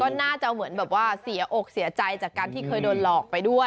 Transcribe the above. ก็น่าจะเหมือนแบบว่าเสียอกเสียใจจากการที่เคยโดนหลอกไปด้วย